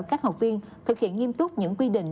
các học viên thực hiện nghiêm túc những quy định